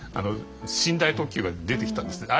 寝台特急が出てきたんですね。